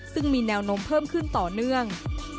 ซึ่งมีแนวโน้มเพิ่มขึ้นต่อเนื่อง